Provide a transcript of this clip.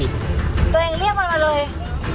ตัวเองเรียกมันมาเลย